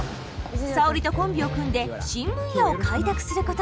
沙織とコンビを組んで新分野を開拓することに。